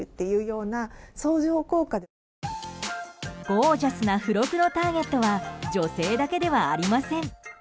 ゴージャスな付録のターゲットは女性だけではありません。